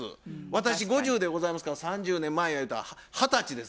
私５０でございますから３０年前やゆうたら二十歳です。